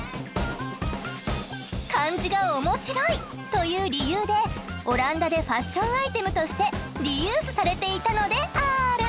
漢字が面白い！という理由でオランダでファッションアイテムとしてリユースされていたのである！